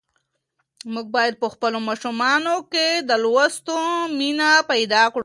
موږ باید په خپلو ماشومانو کې د لوستلو مینه پیدا کړو.